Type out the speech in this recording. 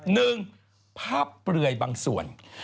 หนึ่งภาพเปลือยบางส่วน